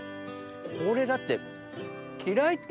これだって。